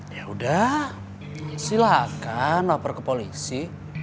ya udah silahkan lapor ke polisi